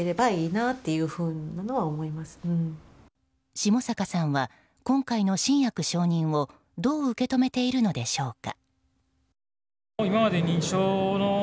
下坂さんは今回の新薬承認をどう受け止めているのでしょうか。